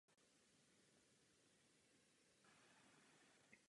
Getty byl významným sběratelem umění.